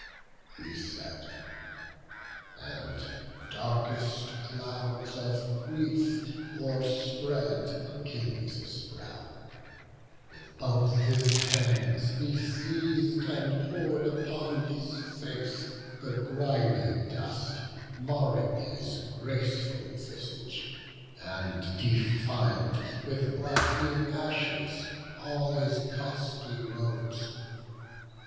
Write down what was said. He said; and darkest clouds of grief o'erspread Achilles' brow; with both his hands he seiz'd And pour'd upon his head the grimy dust, Marring his graceful visage; and defil'd With black'ning ashes all his costly robes.